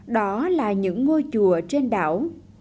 đó là những ngôi chùa trên đảo